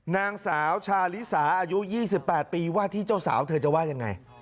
นางสาวชาลิสาอายุ๒๘ปีว่าที่เจ้าสาวเธอจะว่ายังไง